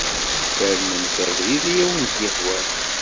Fernemt abrid i awent-yehwan.